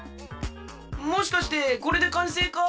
もしかしてこれでかんせいか！？